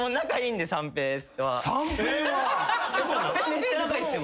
めっちゃ仲いいっすよ。